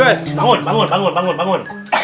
bangun bangun bangun bangun